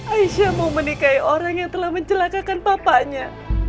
aisyah mau menikahi orang yang telah mencelakakan papanya